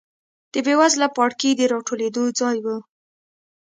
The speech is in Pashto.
د بېوزله پاړکي د راټولېدو ځای و.